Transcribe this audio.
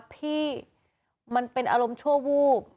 พี่มันเป็นอารมณ์ชั่ววูบ